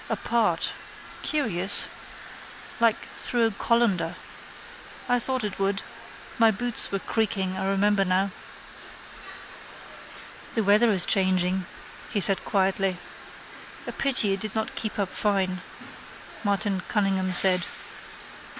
Apart. Curious. Like through a colander. I thought it would. My boots were creaking I remember now. —The weather is changing, he said quietly. —A pity it did not keep up fine, Martin Cunningham said.